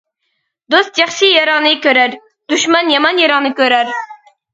دوست ياخشى يېرىڭنى كۆرەر، دۈشمەن يامان يېرىڭنى كۆرەر.